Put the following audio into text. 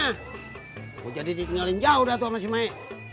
mau jadi ditinggalin jauh dah tuh sama si mae